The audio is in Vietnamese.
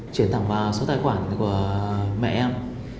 chuyển thẳng vào số tài khoản của mẹ em